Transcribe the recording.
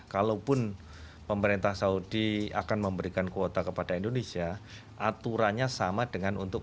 kalaupun pemerintah saudi akan memberikan kuota kepada indonesia aturannya sama dengan untuk